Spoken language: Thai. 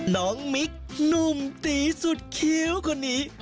น้องมิกหนุ่มตีสุดคิ้วคนนี้